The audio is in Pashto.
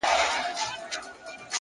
د انتظار دې پر پدره سي لعنت شېرينې!